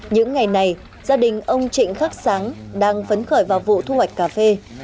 những ngày này gia đình ông trịnh khắc sáng đang phấn khởi vào vụ thu hoạch cà phê